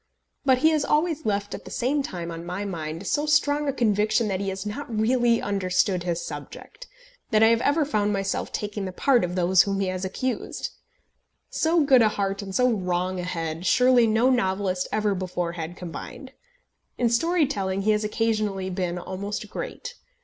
But he has always left at the same time on my mind so strong a conviction that he has not really understood his subject, that I have ever found myself taking the part of those whom he has accused. So good a heart, and so wrong a head, surely no novelist ever before had combined! In story telling he has occasionally been almost great.